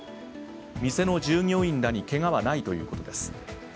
店の従業員らにけがはないということです。